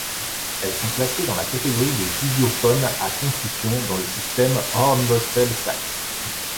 Elles sont classées dans la catégorie des idiophones à concussion dans le système Hornbostel-Sachs.